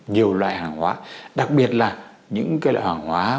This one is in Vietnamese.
nhiều loại hàng hóa đặc biệt là những loại hàng hóa